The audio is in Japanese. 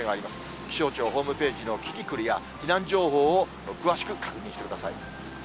気象庁ホームページのキキクルや、避難情報を詳しく確認してください。